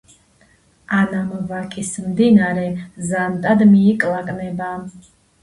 ანამ ვაკის მდინარე ზანტად მიიკლაკნება,